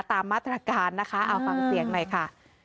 ตามมาตรการนะคะเอาฟังเสียงหน่อยค่ะ